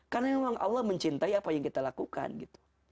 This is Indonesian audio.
karena memang allah mencintai apa yang kita lakukan gitu